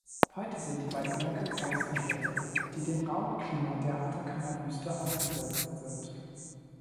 Heute sind die beiden Werke Geisterstädte, die dem rauen Klima der Atacamawüste ausgesetzt sind.